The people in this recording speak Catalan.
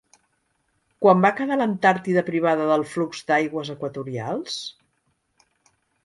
Quan va quedar l'Antàrtida privada del flux d'aigües equatorials?